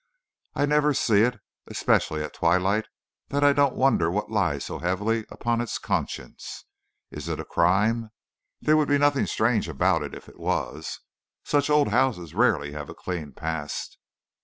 I never see it, especially at twilight, that I don't wonder what lies so heavily upon its conscience. Is it a crime? There would be nothing strange about it if it was. Such old houses rarely have a clean past."